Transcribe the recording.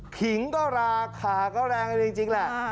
ขิงก็ราขาก็แรงนิดหนึ่งจริงละ